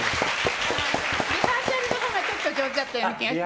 リハーサルのほうがちょっと上手だった気がする。